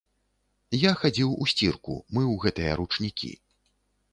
Я хадзіў у сцірку, мыў гэтыя ручнікі.